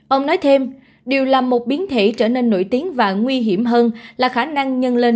ông nói thêm điều là một biến thể trở nên nổi tiếng và nguy hiểm hơn là khả năng nhân lên